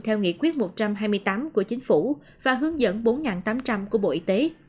theo nghị quyết một trăm hai mươi tám của chính phủ và hướng dẫn bốn tám trăm linh của bộ y tế